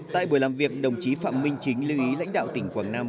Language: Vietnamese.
tại buổi làm việc đồng chí phạm minh chính lưu ý lãnh đạo tỉnh quảng nam